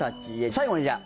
最後にじゃあ